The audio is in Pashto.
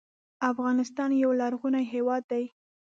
افغانستان یو لرغونی هېواد دی.